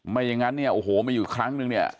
ไม่อย่างนั้นเนี่ยโอ้โหมีอยู่ครั้งนึงเนี่ย